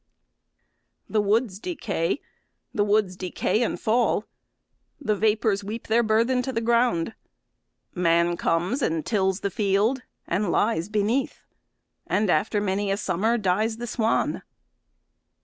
The woods decay, the woods decay and fall, The vapors weep their burthen to the ground, Man comes and tills the field and lies beneath, And after many a summer dies the swan.